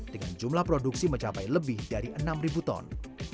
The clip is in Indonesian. dengan jumlah produksi mencapai lebih dari enam ton